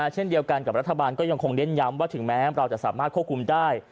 เช่นเดียวกันกับรัฐบาลก็ยังคงเน้นย้ำว่าถึงแม้เราจะสามารถควบคุมได้